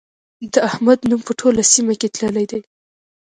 د احمد نوم په ټوله سيمه کې تللی دی.